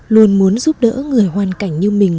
luôn muốn giúp đỡ người hoàn cảnh như mình